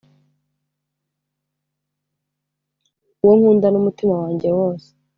uwo nkunda n'umutima wanjye wose.